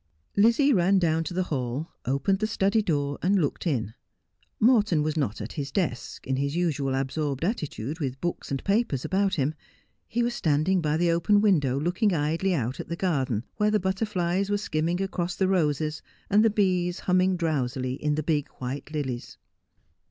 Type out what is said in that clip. Lizzie ran down to the hall, opened the study door and looked in. Morton was not at his desk, in his usual absorbed attitude, with books and papers about him. He was standing by the open window looking idly out at the garden, where the butterflies were skimming across the roses, and the bees humming drowsily in the big white lilies.